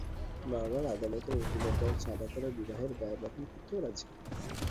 বাবার আদালতের উকিলের দল চাঁদা করে বিবাহের ব্যয় বহন করতেও রাজি।